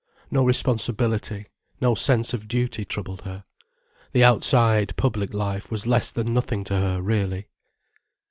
No responsibility, no sense of duty troubled her. The outside, public life was less than nothing to her, really.